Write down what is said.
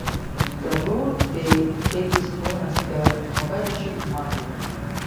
The road they take is known as the Mogadishu Mile.